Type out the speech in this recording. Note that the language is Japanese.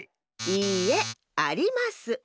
いいえあります。